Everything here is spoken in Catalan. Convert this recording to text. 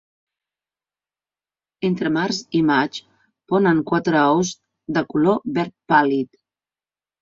Entre març i maig ponen quatre ous de color verd pàl·lid.